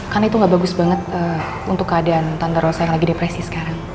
karena itu gak bagus banget untuk keadaan tante rosa yang lagi depresi sekarang